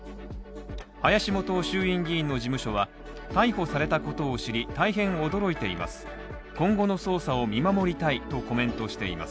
林幹雄衆院議員の事務所は逮捕されたことを知り、大変驚いています。